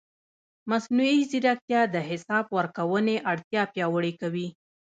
مصنوعي ځیرکتیا د حساب ورکونې اړتیا پیاوړې کوي.